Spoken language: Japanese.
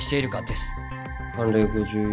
判例５４。